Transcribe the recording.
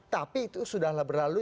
tapi itu sudah lah berlalu